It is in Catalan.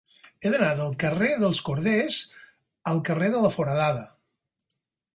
He d'anar del carrer dels Corders al carrer de la Foradada.